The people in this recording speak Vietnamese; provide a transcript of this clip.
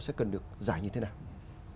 sẽ cần được giải như thế nào